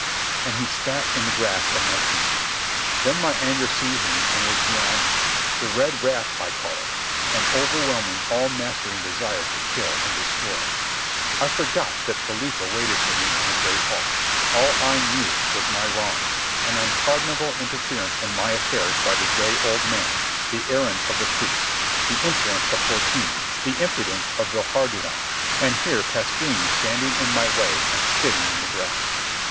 And he spat in the grass at my feet. Then my anger seized me and was beyond me. The red wrath I call it—an overwhelming, all mastering desire to kill and destroy. I forgot that Philippa waited for me in the great hall. All I knew was my wrongs—the unpardonable interference in my affairs by the gray old man, the errand of the priest, the insolence of Fortini, the impudence of Villehardouin, and here Pasquini standing in my way and spitting in the grass.